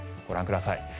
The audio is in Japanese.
ご覧ください。